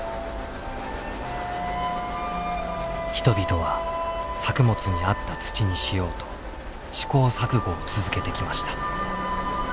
人々は作物に合った土にしようと試行錯誤を続けてきました。